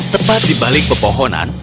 tepat di balik pepohonan